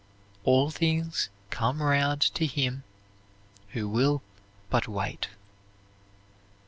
"All things come round to him who will but wait."